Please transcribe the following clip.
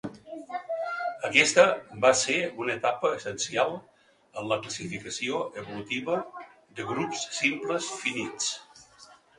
Aquesta va ser una etapa essencial en la classificació evolutiva de grups simples finits.